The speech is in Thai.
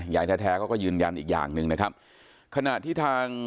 อย่างแท้ก็ยืนยันอีกอย่างนึงนะครับ